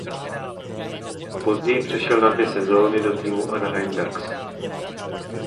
Později přešel na dvě sezóny do týmu Anaheim Ducks.